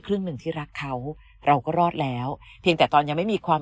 หนึ่งที่รักเขาเราก็รอดแล้วเพียงแต่ตอนยังไม่มีความ